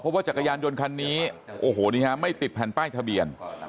เพราะว่าจักรยันยนต์ยนต์คันนี้ไม่ติดแผ่นป้ายทะเบียน